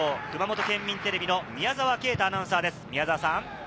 熊本県民テレビの宮澤奎太アナウンサーです。